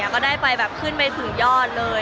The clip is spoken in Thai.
ก็ได้ไปแบบขึ้นไปถึงยอดเลย